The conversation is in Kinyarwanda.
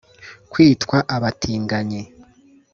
Kwitwa abatinganyi